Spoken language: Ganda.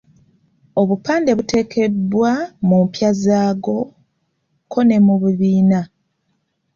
Obupande buteekebwa mu mpya zaago kko ne mu bibiina.